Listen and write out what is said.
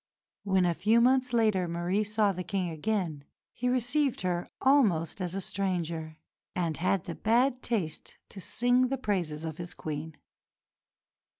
When, a few months later, Marie saw the King again, he received her almost as a stranger, and had the bad taste to sing the praises of his Queen.